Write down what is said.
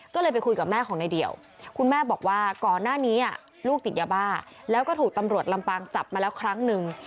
ก็เลยไปคุยกับแม่ของในเดี่ยวคุณแม่บอกว่าก่อนหน้านี้ลูกติดยาบ้าแล้วก็ถูกตำรวจลำปางจับมาแล้วครั้งหนึ่ง